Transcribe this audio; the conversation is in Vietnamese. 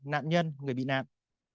nạn nhân người bị nạn